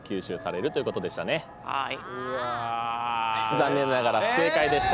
はい残念ながら不正解でした。